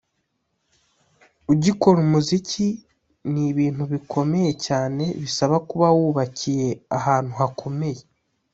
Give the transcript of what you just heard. ugikora umuziki ni ibintu bikomeye cyane bisaba kuba wubakiye ahantu hakomeye.